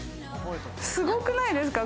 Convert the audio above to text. すごくないですか？